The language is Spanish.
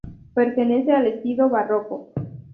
Pertenece al estilo barroco.